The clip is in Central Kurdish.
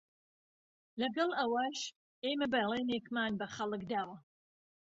لەگەڵ ئەوەش ئێمە بەڵێنێکمان بە خەڵک داوە